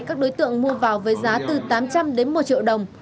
các đối tượng mua vào với giá từ tám trăm linh đến một triệu đồng